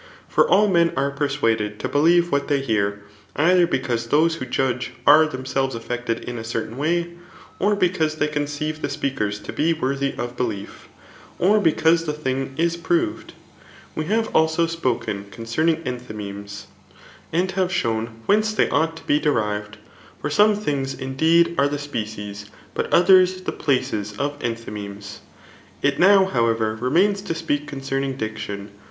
For all men are persuaded [to believe what they hear,^ either because those who judge are themselves affeGte4 in a certain way^ or because they conceive the speakers to be worthy lof belief or because the tiding is provedt We have ^ spoken xfpcffniDg ^thymemes, aadrhsiff d04 TU£ ART OF BOOK llU shown whence they ought to be derived ; for some things, indeed, are the spedee, bnt odien the pbces of enthymemee. It now, however, renuins to speak concerning dicdon.